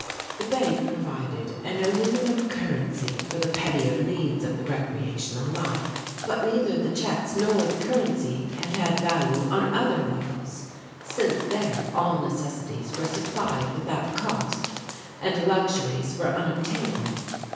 The bank provided an aluminum currency for the pettier needs of the recreational life, but neither the checks nor the currency had had value on other levels, since there all necessities were supplied without cost and luxuries were unobtainable.